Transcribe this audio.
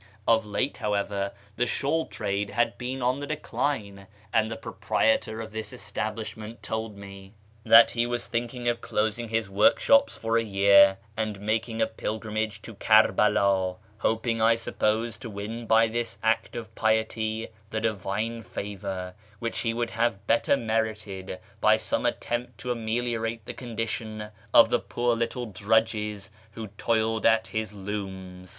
Of late, how ever, the shawl trade had been on the decline ; and the pro prietor of this establishment told me that he was thinking of closing his workshops for a year, and making a pilgrimage to Kerbela, hoping, I suppose, to win by this act of piety the Divine favour, which he would have better merited by some attempt to ameliorate the condition of the poor little drudges who toiled at his looms.